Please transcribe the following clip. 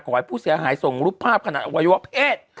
ขอให้ผู้เสียหายส่งรูปภาพขณะอวัยวะเพศ